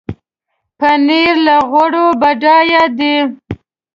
پنېر له غوړو بډایه دی.